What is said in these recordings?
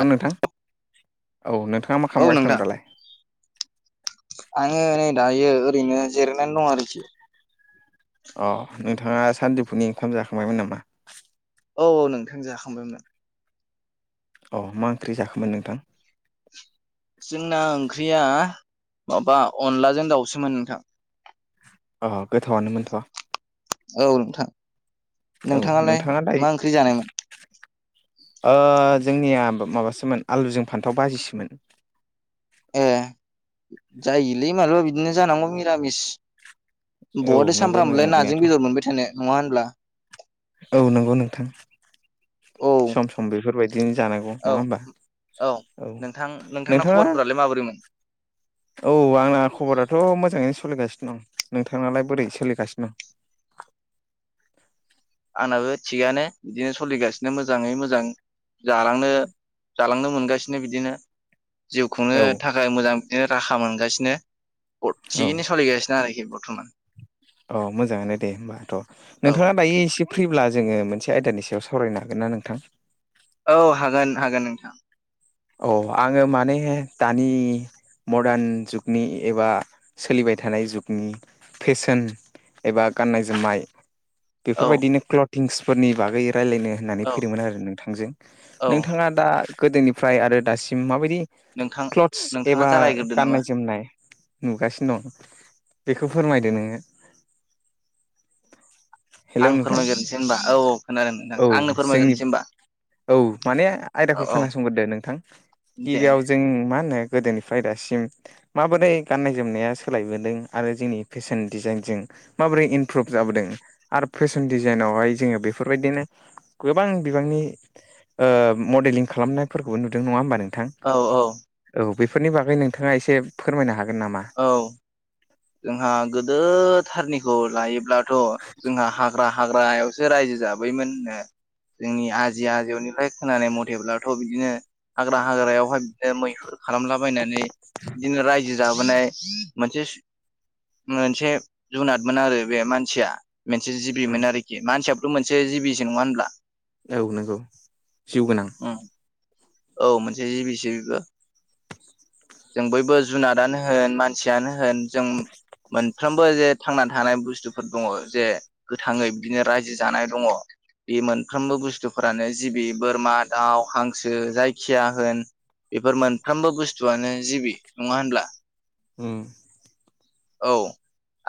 ल' नोंथां औ नोंथां औ नोंथां। आङो नै दायो ओरैनो जिरायनानै दं आरोखि। अ नोंथाङा सानदिफुनि ओंखाम जाखांबायमोन नामा? औ औ नोंथां जाखांबायमोन। अ मा ओंख्रि जाखांबाय नोंथां? जोंना ओंख्रिया माबा अनलाजों दाउसोमोन नोंथां। अ गोथावनोमोनथ'। औ नोंथां औ नोंथाङालाय नोंथाङा दायो मा ओंख्रि जानायमोन? ओ जोंनिया माबासोमोन आलुजों फान्थाव बाजिसोमोन। ए जायोलै मालाबा बिदिनो जानांगौ मिरामिस। औ बहाथो नंगौ सामफ्रामलाय नाजों नोंनायाथ' बेदर मोनबाय थानाय नङा होनब्ला। औ नंगौ नोंथां औ सम सम बेफोर बायदि बिदिनो जानांगौ औ नङा होमबा औ नोंथां नोंथांना नोंथाङा खबरफोरालाय माबोरैमोन औ आंना खबराथ' मोजाङैनो सोलिगासिनो दं नोंथाङालाय बोरै सोलिगासिनो? आंनाबो थिगानो बिदिनो सलिगासिनो मोजाङै मोजां। जालांनो जालांनो मोनगासिनो बिदिनो। जिउ खुंनो दं औ थाखाय मोजां राहा मोनगासिनो थिगैनो सोलिगासिनो। [unintelligible] बरथमान अ मोजाङानो दे होमबाथ' औ नोंथाङा दायो एसे फ्रिब्ला जोङो मोनसे आयदानि सायाव सावरायनो हागोन ना नोंथां औ हागोन हागोन नोंथां अ आङो माने दानि मडार्न जुगनि एबा सोलिबाय थानाय जुगनि फेशन एबा गाननाय जोमनाय औ बेफोरबायदिनो क्लटिंसफोरनि बागै राय्लायनो होननानै औ फैदोंमोन आरो नोंथांजों औ नोंथाङा दा गोदोनिफ्राय आरो दासिम माबायदि नोंथां क्लथस नोंथाङा एबा जागायग्रोदो नामा गाननाय जोमनाय नुगासिनो दं बेखौ फोरमायदो नोङो [inaudible] आं नोंथां फोरमायगोरनोसै होनबा औ औ खोनादों नोंथां औ आंनो जोंनि फोरमायगोरनोसै होनबा औ माने औ आयदाखौ औ खोनासंग्रोदो नोंथां दे गिबियाव दे जों जों मा होनो गोदोनिफ्राय दासिम माबोरै गाननाय जोमनाया सोलायबोदों आरो जोंनि फेशन डिजाइनजों माबोरै इमप्रुभ जाबोदों आरो फेशन डिजाइनावहाय जोङो बेफोरबायदिनो गोबां बिबांनि ओ मडेलिं खालामनायफोरखौबो नुदों नङा होमबा नोंथां औ औ औ बेफोरनि बागै नोंथाङा एसे फोरमायनो हागोन नामा औ जोंहा गोदो थारनिखौ लायोब्लाथ' जोंहा हाग्रा हाग्रायावसो रायजो जाबोयोमोन [unintelligible] जोंनि आजै आजौनिफ्राय खोनानाय मथेब्लाथ' बिदिनो हाग्रा हाग्रायावहाय बिदिनो मैहुर खालामलाबायनानै बिदिनो रायजो जाबोनाय मोनसे मोनसे जुनादमोन आरो बे मानसिया मोनसे उम जिबिमोन आरोखि मानसिया बो मोनसे जिबिजों नङा होनब्ला औ नंगौ जिउ गोनां उम औ मोनसे जिबिस बिबो जों बयबो जुनादानो होन मानसियानो होन जों मोनफ्रोमबो जे थांना थानाय बुस्थुफोर दङ जे गोथाङै बिदिनो रायजो जानाय दङ बे मोनफ्रोमबो बुस्थुफोरानो जिबि बोरमा दाउ हांसो बो जायखिया होन बेफोर मोनफ्रोमबो बुस्थुआनो जिबि नङा होनब्ला उम औ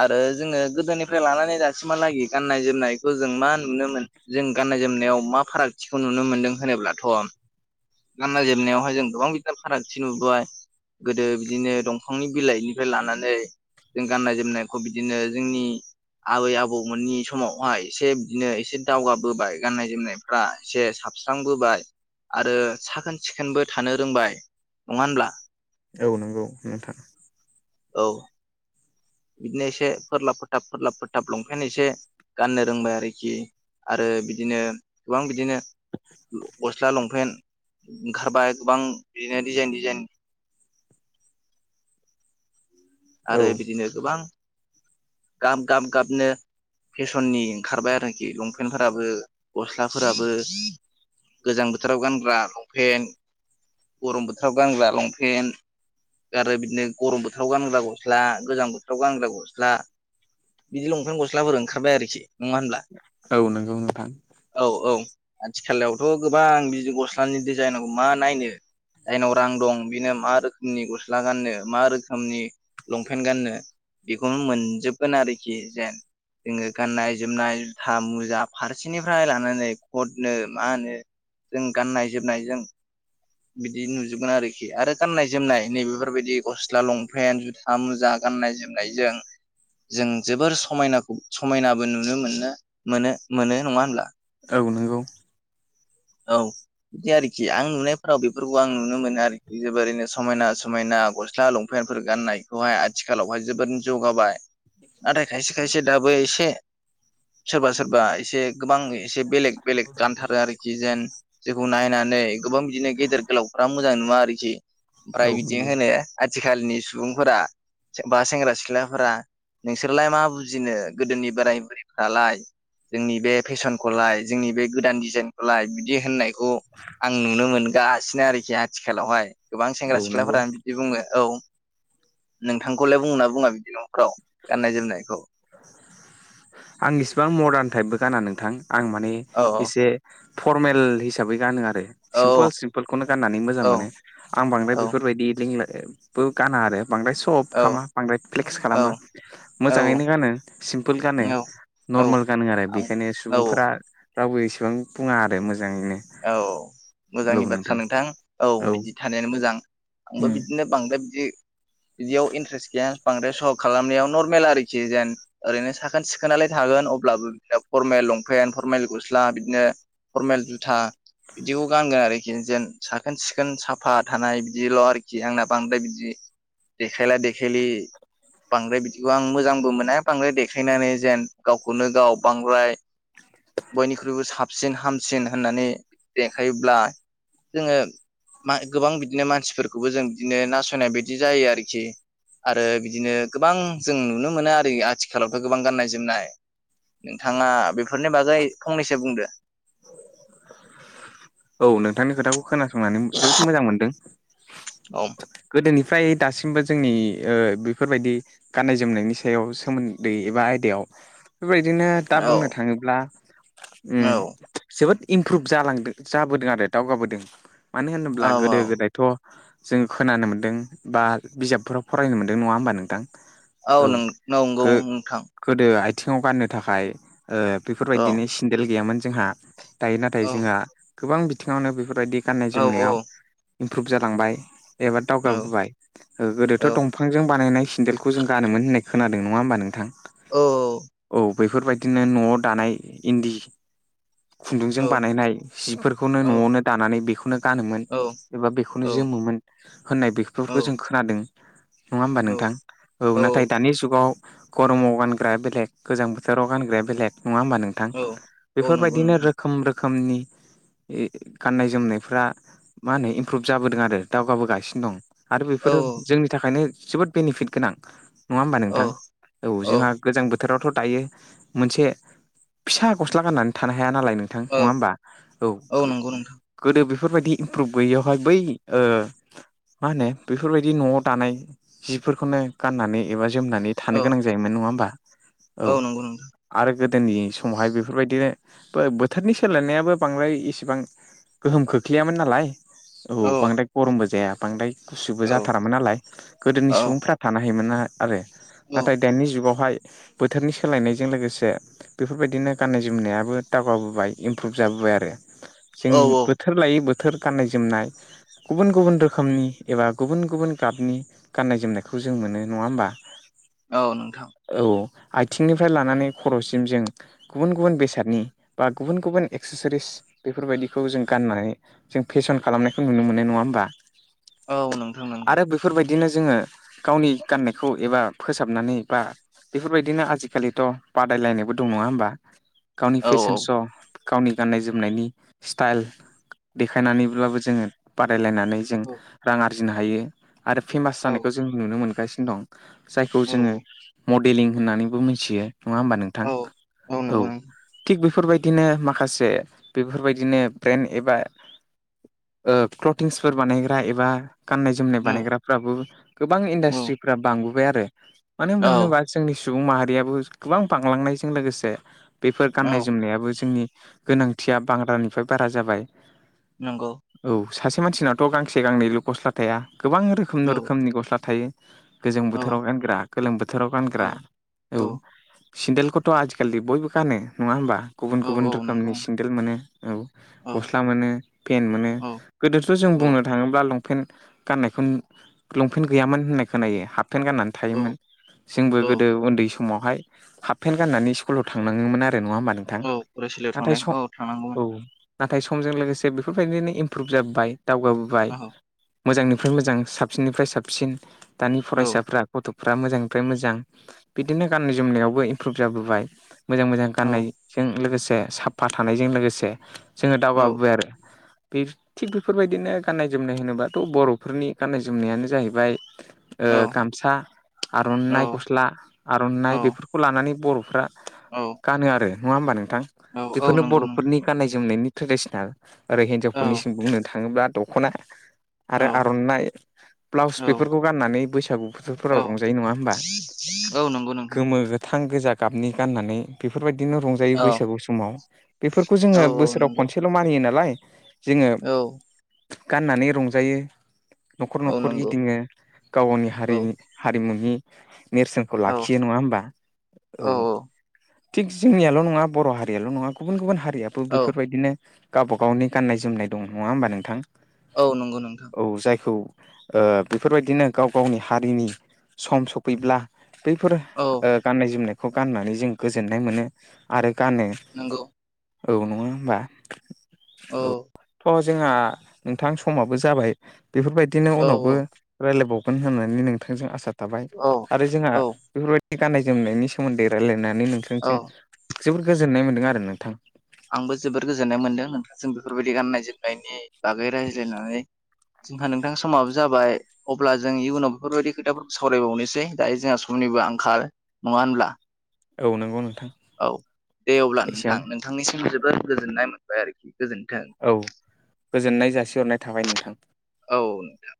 आरो जोङो गोदोनिफ्राय लानानै दासिमहालागै गाननाय जोमनायखौ जों मा नुनो मोन जों गाननाय जोमनायाव मा फारागथिखौ नुनो मोनदों होनोब्लाथ' गाननाय जोमनायावहाय जों गोबां बिदिनो फारागथि नुबोबाय गोदो बिदिनो दंफांनि बिलाइनिफ्राय लानानै जों गाननाय जोमनायखौ बिदिनो जोंनि आबै आबौमोननि समावहाय एसे बिदिनो एसे दावगाबोबाय गाननाय जोमनाय फ्रा एसे साबस्रांबोबाय आरो साखोन सिखोनबो थानो रोंबाय नङा होनब्ला औ नंगौ नोंथां औ बिदिनो एसे फोरलाब फथाब फोरलाब फोथाब लंफेन एसे गाननो रोंबाय आरोखि आरो बिदिनो गोबां बिदिनो गस्ला लंपेन्ट ओंखारबाय गोबां बिदिनो डिजाइन डिजाइन औ आरो बिदिनो गोबां गाब गाब गाबनो फेसननि ओंखारबाय आरोखि लंपेन्टफोराबो ग'स्लाफोराबो गोजां बोथोराव गानग्रा लंफेन्ट गरम बोथोराव गानग्रा लंफेन्ट आरो बिदिनो गरम बोथोराव गानग्रा गस्ला गोजां बोथोराव गानग्रा ग'स्ला बिदि लंफेन ग'स्लाफोर ओंखारबाय आरोखि नङा होनब्ला औ नोंगौ नोंथां औ औ आथिखालायावथ' गोबां बिदि ग'स्लानि डिजाइन मा नायनो जायनाव रां दं बिनो मा रोखोमनि ग'स्ला गाननो मा रोखोमनि लंफेन्ट गाननो बेखौनो मोनजोबगोन आरोखि जेन जोङो गाननाय जोमनाय जुथा मुजा फारसेनिफ्राय लानानै कटनो मा होनो जों गाननाय जोमनायजों बिदि नुजोबगोन आरोखि आरो गाननाय जोमनाय नैबेफोरबायदि ग'स्ला लंफेन्ट ओ मुजा गाननाय जोमनायजों जों जोबोर समायनाखौ समायनाबो नुनो मोननो मोनो मोनो नङा होनब्ला औ नोंगौ औ बिदि आरोखि आं नुनायफोराव बेफोरखौ आं नुनो मोनो आरोखि जोबोरैनो समायना समायना ग'स्ला लंफे लंपेनफोर गाननायखौहाय आथिखालावहाय जोबोद जौगाबाय नाथाय खायसे खायसे दाबो एसे सोरबा सोरबा एसे गोबां एसे बेलेग बेलेग गानथारो आरोखि जेन जेखौ नायनानै गोबां बिदिनो गेदेर गोलावफ्रा मोजां नुवा आरोखि औ आमफ्राय बिदि नंगौ होनो आथिखालनि सुबुंफोरा बा सेंग्रा सिख्लाफ्रा नोंसोरलाय मा बुजिनो गोदोनि बोराय बुरिफ्रालाय जोंनि बे फेसनखलाय जोंनि बे गोदान डिजाइनखलाय बिदि होननायखौ आं नुनो मोनगासिनो आरोखि आथिखालावहाय गोबां सेंग्रा औ नंगौ सिख्लाफोरा बिदि बुङो औ नोंथांखौलाय बुङो ना बुङा बिदि न'खराव गाननाय जोमनायखौ हो आं इसिबां मदार्न टाइपबो गाना नोंथां आं माने औ एसे फरमेल हिसाबै गानो आरो सिमफोल औ सिम बेफोरखौनो गाननानै मोजां औ मोनो आं बांद्राय औ बेफोरबायदि लिंलाबो गाना आरो बांद्राय सट सर'बो औ खालामा बांद्राय फ्लेक्स औ खालामा औ मोजांयैनो गानो सिमफोल गानो औ औ नरमेल गानो आरो बेखायनो आंबो सुबुंफोरा औ रावबो एसेबां बुङा आरो मोजांयैनो औ मोजांनि बाथ्रा नोंथां औ बिदि थानायानो मोजां आंबो बिदिनो बांद्राय बिदि इदिआव इन्ट्रेस्ट गैया बांद्राय सह खालामनायाव नरमेल आरोखि जेन ओरैनो साखोन सिखोनलाय थागोन अब्लाबो बि फरमेल लंफेन्ट फरमेल ग'स्ला बिदिनो फरमेल जुथा बिदिखौ गानगोन आरो खि जेन साखोन सिखोन साफा थानाय बिदिल' आरोखि आंना बांद्राय बिदि देखायला देखायलि बांद्राय बिदिखौ आं मोजांबो मोना बांद्राय देखायनानै जेन गावखौनो गाव बांद्राय बयनिख्रुइबो साबसिन हामसिन होननानै देखायोब्ला जोङो मा गोबां बिदिनो मानसिफोरखौबो जों बिदिनो नासयनाय बायदि जायो आरोखि आरो बिदिनो गोबां जों नुनो मोनो आरो आथिखालावथ' गोबां गाननाय जोमनाय नोंथांआ बेफोरनि बागै फंनैसो बुंदो औ नोंथांनि खोथाखौ खोनासंनानै जोबोद मोजां मोनदों औ गोदोनिफ्राय दासिमबो जोंनि ओ बेफोरबायदि गाननाय जोमनायनि सायाव सोमोन्दै एबा आयदायाव बेबायदिनो दा औ बुंनो थाङोब्ला उम औ जोबोद इमप्रुभ जालांदों जाबोदों आरो दावगाबोदों मानो औ होनोब्ला गोदो औ गोदाय थ' जों खोनानो मोन्दों बा बिजाबफोराव फरायनो मोनदों नङा होमबा नोंथां औ नंगौ नोंथां गोदो आथिङाव गाननो थाखाय औ बेफोरबायदिनि सेन्देल गैयामोन जोंहा दायो नाथाय औ जोंहा गोबां बिथिङावनो बेफोरबायदि गाननाय औ जोमनायाव औ इमप्रुभ जालांबाय एबा औ दावगाबोबाय औ गोदोथ' दंफां बिफांजों बानायनाय सेन्देलखौ जों गानोमोन होननाय खोनादों नङा होमबा नोंथां औ बेफोरबायदिनो न'आव दानाय इन्दि औ खुन्दुंजों बानायनाय जिफोरखौनो न'आवनो दानानै बेखौनो गानोमोन एबा बेखौनो जोमोमोन होननाय बेफोरखौ जों खोनादों नङा होमबा नोंथां औ नाथाय दानि जुगाव गरमाव गानग्राया बेलेग गोजां बोथोराव गानग्राया बेलेग नङा होमबा नों थां औ औ नंगौ बेफोरबायदिनो नोंथां रोखोम रोखोमनि गाननाय जोमनायफ्रा मा होनो इमप्रुभ जाबोदों आरो दावगाबोगासिनो दं आरो औ बेफोरो जोंनि थाखायनो जोबोद बेनिफिट गोनां नङा होमबा नोंथां औ औ जोंहा गोजां बोथोरावथ' दायो मोनसे फिसा गस्ला गाननानै थानो हाया नालाय नोंथां औ नङा होमबा औ नंगौ नोंथां गोदो बेफोरबायदि इमप्रुभ गैयियावहाय बै मा होनो बेफोरबायदि न'आव दानाय जिफोरखौनो गाननानै एबा जोमनानै औ थानो गोनां जायोमोन नङा होमबा औ नंगौ नोंथां आरो गोदोनि समावहाय बेफोरबायदिनो बोथोरनि सोलायनायाबो बांद्राय इसेबां गोहोम खोख्लैयामोन नालाय औ बांद्राय गरमबो जाया बांद्राय गुसुबो औ जाथारामोन नालाय गोदोनि औ सुबुंफ्रा थानो हायोमोन आरो औ नाथाय दानि जुगावहाय बोथोरनि सोलायनायजों लोगोसे बेफोरबायदिनो गाननाय जोमनायाबो दावगाबोबाय इमप्रुभ जाबोबाय आरो जों औ औ बोथोर लायै बोथोर गाननाय जोमनाय गुबुन गुबुन रोखोमनि एबा गुबुन गुबुन गाबनि गाननाय जोमनायखौ जों मोनो नङा होमबा औ नोंथां औ आथिंनिफ्राय लानानै खर'सिम जों गुबुन गुबुन बेसादनि बा गुबुन गुबुन एक्सेसारिस बेफोरबायदिखौ जों गाननानै जों फेसन खालामनायखौ नुनो मोनो नङा होमबा औ नोंथां नंगौ आरो बेफोरबायदिनो जोङो गावनि गाननायखौ एबा फोसाबनानै बा बेफोरबायदिनो आजिखालिथ' बादायलायनायबो दं नङा होमबा गावनि औ फेशन श' गावनि गाननाय जोमनायनि स्टाइल देखायनानैब्लाबो जोङो बादायलायनानै जों औ रां आरजिनो हायो आरो फेमास औ जानायखौ जों नुनो मोनगासिनो दं जायखौ औ जोङो मडेलिं होननानैबो मिथियो नङा होमबा नोंथां औ औ नंगौ नोंथां थिग बेफोरबायदिनो माखासे बेफोरबायदिनो ब्रेन एबा प्र्लटिन्सफोर बानायग्रा एबा गाननाय जोमनाय बानायग्राफ्राबो गोबां औ इन्डास्ट्रिफ्रा बांबोबाय आरो मानो औ होनोबा जोंनि सुबुं माहारियाबो गोबां बांलांनायजों लोगोसे बेफोर औ गान्नाय जोमनायाबो जोंनि गोनांथिया बांग्रानिफ्राय बारा जाबाय नंगौ औ सासे मानसिनावथ' गांसे गांनैल' गस्ला थाया गोबां रोखोम औ रोखोमनि गस्ला थायो गोजां बोथोराव गानग्रा गोलोम बोथोराव औ गानग्रा औ सेन्देलखौथ' आजिखालि बयबो गानो नङा होमबा गुबुन औ गुबुन रोखोमनि नंगौ सेनदेल मोनो औ औ गस्ला मोनो पेन्ट मोनो औ गोदोथ' जों बुंनो थाङोब्ला लंपेन्ट गाननायखौ लंपेन्ट गैयामोन होननाय खोनायो हाफ पेन्ट गाननानै औ थायोमोन जोंबो औ गोदो उन्दै समावहाय हाफपेन्ट गाननानै स्कुलाव थांनाङोमोन आरो नङा होमबा नोंथां औ फरायसालियाव नाथाय थांनाय सम औ औ थांनांगौमोन नाथाय समजों लोगोसे बेफोरबायदिनो इमप्रुभ जाबोबाय दावगाबो फ्राय औ मोजांनिफ्राय मोजां साबसिननिफ्राय साबसिन दानि औ फरायसाफ्रा गथ'फ्रा मोजांनिफ्राय मोजां बिदिनो गाननाय जोमनायावबो इमप्रुभ जाबोबाय मोजां मोजां औ गाननायजों लोगोसे साफा थानायजों लोगोसे जोङो दावगाबोबाय आरो बे थिग बेफोरबायदिनो गाननाय जोमनाय होनोबाथ' बर'फोरनि गाननाय जोमनायानो जाहैबाय ओ औ गामसा औ आर'नाइ गस्ला औ आर'नाइ बेफोरखौ लानानै बर'फ्रा गानो आरो नङा होमबा नोंथां औ औ बेफोरनो नंगौ नोंथां बर'फोरनि गाननाय जोमनायनि ट्रेडिसनेल आरो औ हिनजावफोरनिसिम बुंनो थाङोब्ला द ख'ना आरो आर'नाइ ब्लाउस औ बेफोरखौ गाननानै बैसागु औ बोथोरफोराव औ रंजायो नङा होमबा औ नंगौ नोंथां गोमो गोथां गोजा गाबनि गाननानै बेफोरबायदिनो रंजायो औ बैसागु समाव बेफोरखौ जोङो औ औ बोसोराव नंगौ खनसेल' मानियो नालाय जोङो औ गाननानै रंजायो न'खर औ न'खर नंगौ गिदिङो गाव गावनि औ हारिनि हारिमुनि नेरसोनखौ औ लाखियो नङा होमबा औ थिग जोंनियाल' नङा बर' हारियाल' नङा गुबुन गुबुन हारियाबो औ बेफोरबायदिनो गावबा गावनि गाननाय जोमनाय दं नङा होमबा नोंथां औ नंगौ नोंथां औ जायखौ ओ बेफोरबायदिनो गाव गावनि हारिनि सम सम फैब्ला बैफोर औ ओ गाननाय जोमनायखौ गाननानै जों गोजोननाय मोनो आरो गानो नंगौ औ नङा होमबा औ थ' जोंहा नोंथां समाबो जाबाय बेफोरबायदिनो औ उनावबो रायलायबावगोन होननानै नोंथांजों आसा थाबाय औ आरो जोंहा औ बेफोरबाय दि गाननाय जोमनायनि सोमोन्दै रायलायनानै औ नोंथांजों जोबोद गोजोननाय मोन्दों आरो नोंथां आंबो जबोद गोजोननाय मोन्दों नोंथांजों बेफोरबायदि गाननाय जोमनायनि बागै रायज्लायनानै जोंहा नोंथां समाबो जाबाय अब्ला जों इयुनाव बेफोरबायदि खोथाफोरखौ सावरायबावनोसै दायो जोंहा समनिबो आंखाल नङा होनब्ला औ नंगौ नोंथां औ दे अब्ला नोंथां एसेयावनो नोंथांनिसिम जोबोर गोजोननाय मोनबाय आरोखि गोजोन्थों औ गोजोननाय जासिहरनाय थाबाय नोंथां औ नोंथां